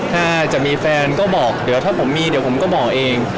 ถ้าจะมีแฟนก็บอกเดี๋ยวถ้าผมมีเดี๋ยวผมก็บอกเอง